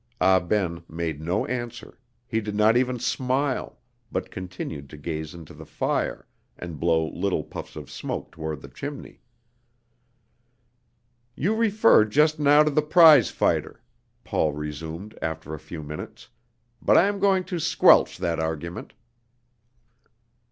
Ah Ben made no answer; he did not even smile, but continued to gaze into the fire and blow little puffs of smoke toward the chimney. "You referred just now to the prize fighter," Paul resumed after a few minutes, "but I am going to squelch that argument."